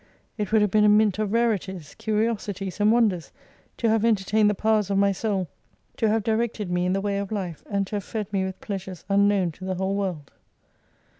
It would have been a mint of rarities, curiosi ties and wonders, to have entertained the powers of my Soul, to have directed me in the way of life, and to have fed me with pleasures unknown to the whole world.